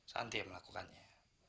santi yang melakukannya